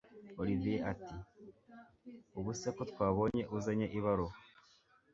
Olivier atiubwo se ko twabonye uzanye ibaruwa